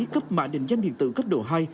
cấp mã định danh điện tử cấp độ hai